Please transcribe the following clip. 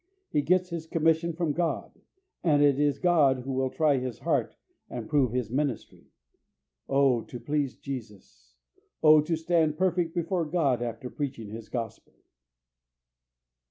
He gets his commission from God, and it is God who will try his heart and prove his ministry. Oh, to please Jesus! Oh, to stand perfect before God after preaching His Gospel!